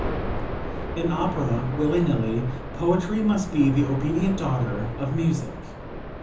"In opera, willy nilly, poetry must be the obedient daughter of music.